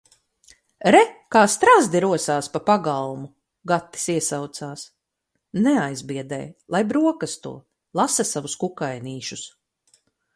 "Re, kā strazdi rosās pa pagalmu!" Gatis iesaucās. Neaizbiedē, lai brokasto, lasa savus kukainīšus.